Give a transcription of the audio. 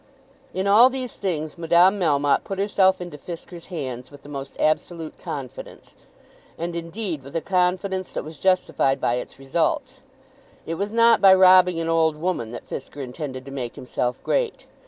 In all these things Madame Melmotte put herself into Fisker's hands with the most absolute confidence, and, indeed, with a confidence that was justified by its results. It was not by robbing an old woman that Fisker intended to make himself great.